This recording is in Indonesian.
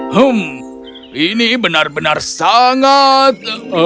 hmm ini benar benar sangat